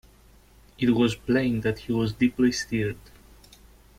It was plain that he was deeply stirred.